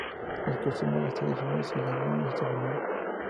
Las costumbres, las tradiciones y la lengua se transformaron.